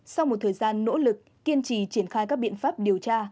sau một thời gian nỗ lực kiên trì triển khai các biện pháp điều tra